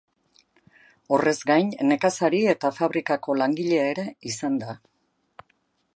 Horrez gain nekazari eta fabrikako langile ere izan da.